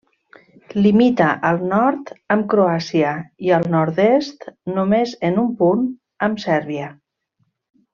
Limita al nord amb Croàcia i al nord-est, només en un punt, amb Sèrbia.